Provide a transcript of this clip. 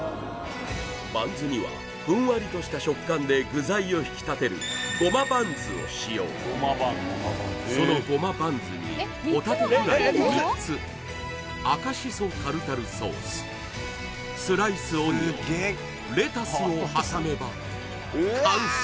バンズにはふんわりとした食感で具材を引き立てるゴマバンズを使用そのゴマバンズにホタテフライを３つ赤しそタルタルソーススライスオニオンレタスを挟めば完成